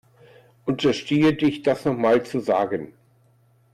Unterstehe dich, das noch mal zu sagen!